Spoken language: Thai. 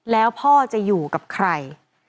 แล้วพ่อจะอยู่กับใคร